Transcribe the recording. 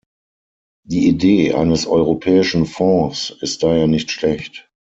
Die Idee eines Europäischen Fonds ist daher nicht schlecht.